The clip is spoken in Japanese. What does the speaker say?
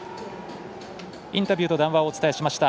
インタビューと談話をお伝えしました。